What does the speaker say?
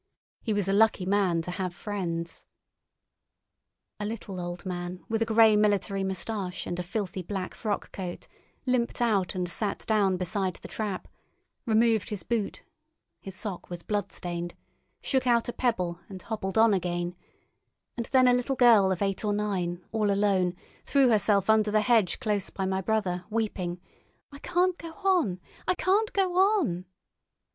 He was a lucky man to have friends. A little old man, with a grey military moustache and a filthy black frock coat, limped out and sat down beside the trap, removed his boot—his sock was blood stained—shook out a pebble, and hobbled on again; and then a little girl of eight or nine, all alone, threw herself under the hedge close by my brother, weeping. "I can't go on! I can't go on!"